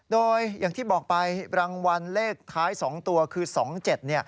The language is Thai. โดยอย่างที่บอกไปรางวัลเลขท้าย๒ตัวคือ๒๗